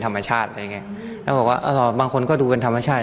ธรรมชาติอะไรอย่างเงี้ยแล้วบอกว่าเอ่อบางคนก็ดูกันธรรมชาติ